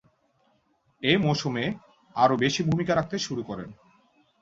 এ মৌসুমে আরও বেশি ভূমিকা রাখতে শুরু করেন।